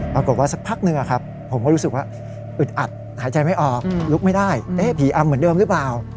มากกว่าสักพักหนึ่งอืดอัดหายใจไม่ออกลุกไม่ได้พี่อำเหมือนเดิมหรือเปล่า